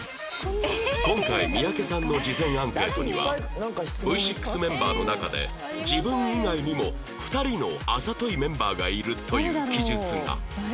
今回三宅さんの事前アンケートには Ｖ６ メンバーの中で自分以外にも２人のあざといメンバーがいるという記述が